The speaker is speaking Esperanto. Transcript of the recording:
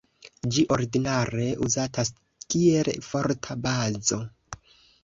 Ĝi ordinare uzatas kiel forta bazo.